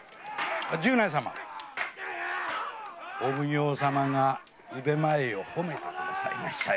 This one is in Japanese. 十内様お奉行様が腕前をほめてくださいましたよ。